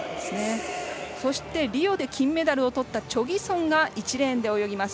そして、リオで金メダルをとったチョ・ギソンが１レーンで泳ぎます。